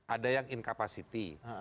ada yang incapacity